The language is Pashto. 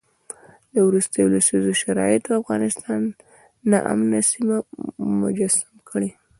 د وروستیو لسیزو شرایطو افغانستان ناامنه سیمه مجسم کړی.